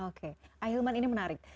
oke ahilman ini menarik